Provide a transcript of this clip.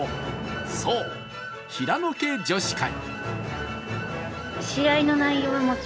そう、平野家女子会。